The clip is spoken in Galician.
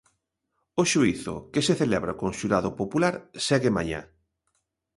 O xuízo, que se celebra con xurado popular, segue mañá.